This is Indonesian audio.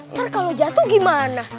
ntar kalau jatuh gimana